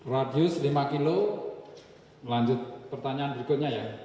radius lima kilo melanjut pertanyaan berikutnya ya